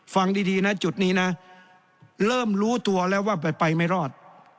ฟังดีนะจุดนี้นะเริ่มรู้ตัวแล้วว่าไปไม่รอด